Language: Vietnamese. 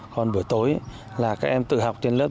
còn buổi tối là các em tự học trên lớp